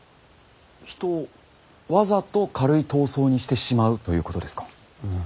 人をわざと軽い痘瘡にしてしまうということですか？